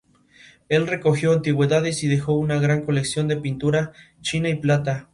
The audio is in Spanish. Él recogió antigüedades y dejó una gran colección de pintura, china y plata.